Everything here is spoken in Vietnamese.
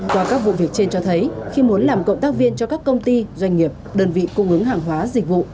qua các vụ việc trên cho thấy khi muốn làm cộng tác viên cho các công ty doanh nghiệp đơn vị cung ứng hàng hóa dịch vụ